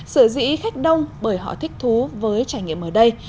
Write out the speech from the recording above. sở dĩ khách đông bởi họ thích thú với trải nghiệm ở đây